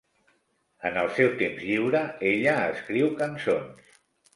En el seu temps lliure, ella escriu cançons.